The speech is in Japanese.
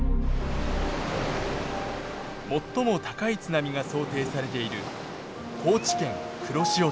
最も高い津波が想定されている高知県黒潮町。